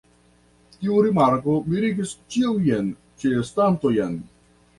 Tiu rimarko mirigis ĉiujn ĉeestantojn.